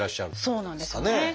そうなんですよね。